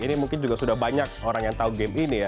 ini mungkin juga sudah banyak orang yang tahu game ini ya